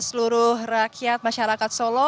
seluruh rakyat masyarakat solo